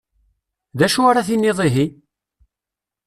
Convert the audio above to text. D acu ara tiniḍ ihi?